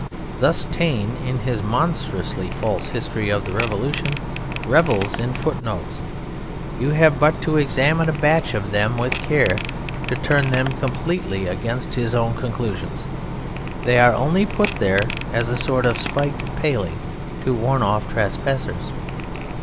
Thus Taine in his monstrously false history of the Revolution revels in footnotes; you have but to examine a batch of them with care to turn them completely against his own conclusions they are only put there as a sort of spiked paling to warn off trespassers.